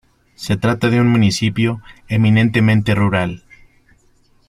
Se trata de un municipio eminentemente rural.